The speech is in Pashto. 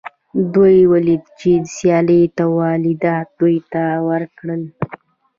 دوی ولیدل چې سیالۍ تولیدات دوی ته ورکړل